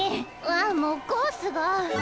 あっもうコースが。